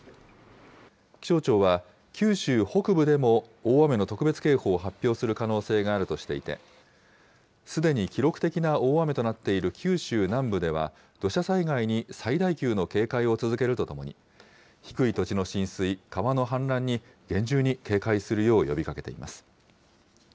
気象庁は九州北部でも大雨の特別警報を発表する可能性があるとしていて、すでに記録的な大雨となっている九州南部では土砂災害に最大級の警戒を続けるとともに、低い土地の浸水、川の氾濫に厳重に警戒するよう呼びかけています。